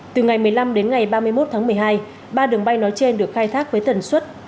từ ngày một mươi năm đến ngày ba mươi một tháng một mươi hai ba đường bay nói trên được khai thác với tần suất